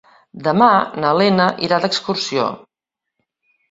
Demà na Lena irà d'excursió.